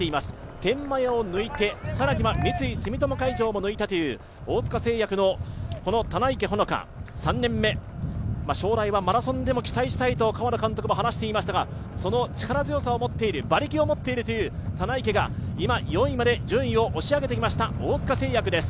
天満屋を抜いて、さらには三井住友海上も抜いたという大塚製薬の人棚池穂乃香３年目、将来はマラソンでも期待したいと河野監督も話していましたがその力強さを持っている、馬力を持っている棚池が今、４位まで順位を押し上げてきました、大塚製薬です。